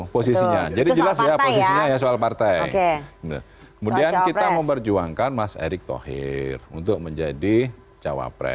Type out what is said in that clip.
posisinya jadi jelas ya posisinya hanya soal partai kemudian kita memperjuangkan mas erick thohir untuk menjadi cawapres